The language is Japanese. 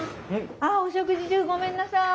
あっお食事中ごめんなさい。